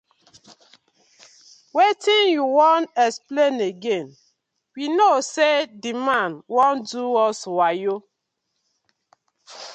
Wetin yu won explain again, we kno sey the man wan do us wayo.